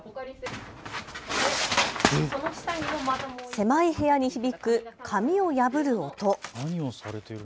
狭い部屋に響く紙を破る音。